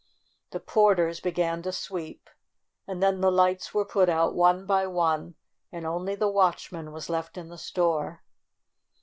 The porters began to sweep, and then the lights were put out one by one and only the watchman was left in the store.